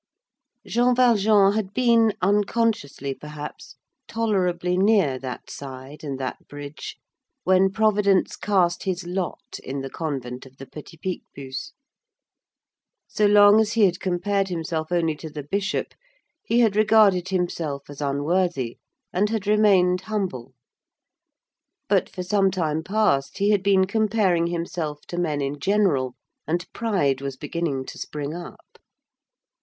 Jean Valjean had been, unconsciously, perhaps, tolerably near that side and that bridge, when Providence cast his lot in the convent of the Petit Picpus; so long as he had compared himself only to the Bishop, he had regarded himself as unworthy and had remained humble; but for some time past he had been comparing himself to men in general, and pride was beginning to spring up.